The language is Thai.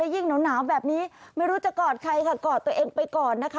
ยิ่งหนาวแบบนี้ไม่รู้จะกอดใครค่ะกอดตัวเองไปก่อนนะคะ